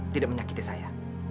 tidak menyakiti saya